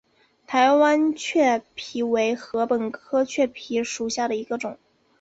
台湾雀稗为禾本科雀稗属下的一个种。